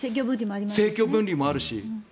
政教分離もあるし。